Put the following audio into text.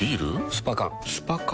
スパ缶スパ缶？